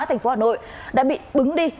thành phố hà nội đã bị bứng đi